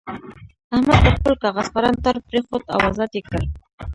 احمد د خپل کاغذ پران تار پرېښود او ازاد یې کړ.